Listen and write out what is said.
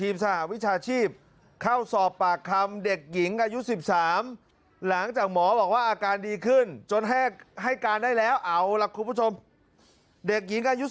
ไม่มีอะไรเกิดขึ้นน่ะน้ำแข็ง